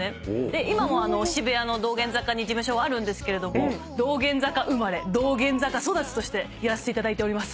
今も渋谷の道玄坂に事務所はあるんですけれども道玄坂生まれ道玄坂育ちとしてやらせていただいております。